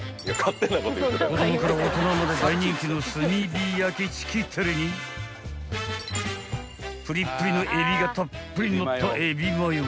［子供から大人まで大人気の炭火焼チキテリにプリプリのエビがたっぷりのったエビマヨ］